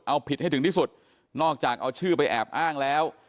เอาผิดให้ถึงที่สุดนอกจากเอาชื่อไปแอบอ้างแล้ว